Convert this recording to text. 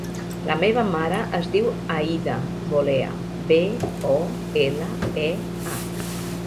La meva mare es diu Aïda Bolea: be, o, ela, e, a.